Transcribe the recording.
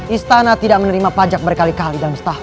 istana tidak menerima pajak berkali kali dalam setahun